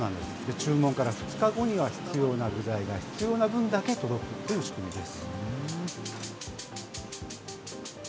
注文から２日後には、必要な具材が、必要な分だけ届くという仕組みです。